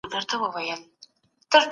هيڅ څوک بايد يوازي پرېنښودل سي.